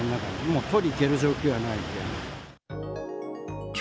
もう取りに行ける状況じゃないって。